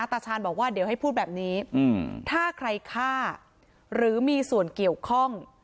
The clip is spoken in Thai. ตาชาญบอกว่าเดี๋ยวให้พูดแบบนี้ถ้าใครฆ่าหรือมีส่วนเกี่ยวข้อง